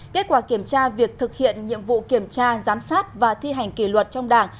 kết quả kiểm tra việc thực hiện nhiệm vụ kiểm tra giám sát và thi hành kỷ luật trong đảng